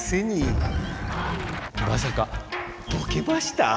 まさかボケました？